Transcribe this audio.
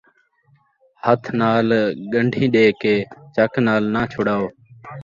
ہتھ نال ڳن٘ڈھیں ݙے کے چک نال ناں چھڑاؤ